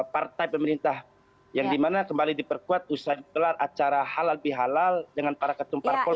partai pemerintah yang dimana kembali diperkuat usai acara halal bihalal dengan para ketumpar pol